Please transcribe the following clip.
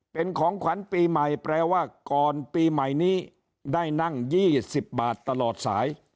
เป็นของขวัญปีใหม่แปลว่าก่อนปีใหม่นี้ได้นั่ง๒๐บาทตลอดสาย